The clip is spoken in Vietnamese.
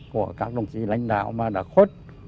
của các đồng chí lãnh đạo mà đã khuất